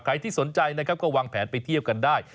ใครที่สนใจนะครับก็วางแผนไปเที่ยวกันได้